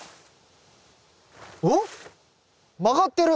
わっ曲がってる。